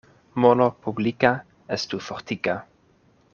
Mono publika estu fortika.